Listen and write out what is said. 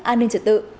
an ninh trở tự